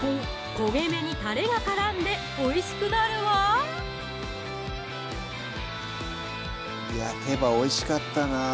焦げ目にたれが絡んでおいしくなるわいや手羽おいしかったなぁ